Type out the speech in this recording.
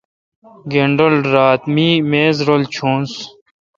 گانڈل رات می میز رل چونس۔